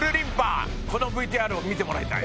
このＶＴＲを見てもらいたい。